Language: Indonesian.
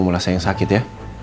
mula saya yang sakit ya